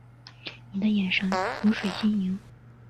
你的眼神如水晶莹